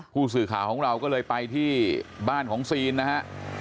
ผู้สื่อข่าวของเราก็เลยไปที่บ้านของซีนนะฮะ